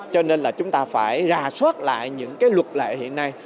cho nên là chúng ta phải ra soát lại những cái luật lệ hiện nay